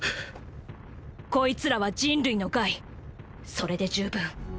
こいつらは人類の害それで十分。